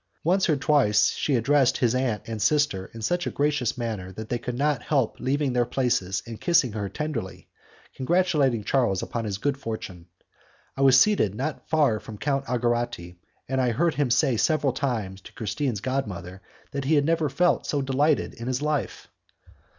Once or twice she addressed his aunt and sister in such a gracious manner that they could not help leaving their places and kissing her tenderly, congratulating Charles upon his good fortune. I was seated not very far from Count Algarotti, and I heard him say several times to Christine's god mother that he had never felt so delighted in his life.